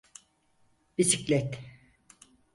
Bisiklet…